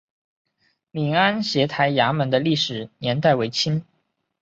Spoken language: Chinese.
闽安协台衙门的历史年代为清。